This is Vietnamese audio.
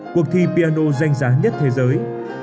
cuộc thi piano danh giá nhất thế giới